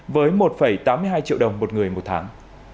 với một tám mươi hai triệu đồng một người một tháng